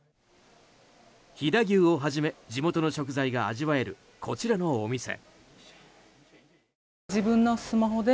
飛騨牛をはじめ、地元の食材が味わえるこちらのお店。